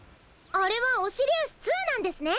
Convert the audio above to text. あれはオシリウス２なんですね！